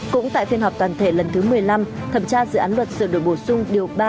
cũng tại phiên họp toàn thể lần thứ một mươi năm thẩm tra dự án luật sửa đổi bổ sung điều ba